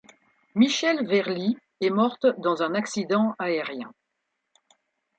Michèle Verly est morte dans un accident aérien.